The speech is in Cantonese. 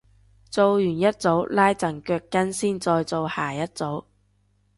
做完一組拉陣腳筋先再做下一組